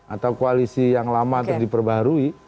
atau koalisi yang lama untuk diperbarui